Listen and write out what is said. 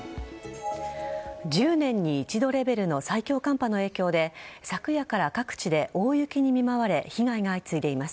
１０年に一度レベルの最強寒波の影響で昨夜から各地で大雪に見舞われ被害が相次いでいます。